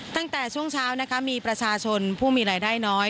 ตั้งแต่ช่วงเช้านะคะมีประชาชนผู้มีรายได้น้อย